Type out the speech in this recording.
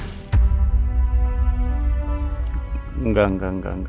tidak tidak tidak